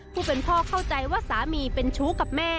ผู้เป็นพ่อเข้าใจว่าสามีเป็นชู้กับแม่